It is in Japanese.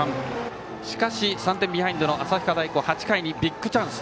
しかし３点ビハインドの旭川大高８回にビッグチャンス。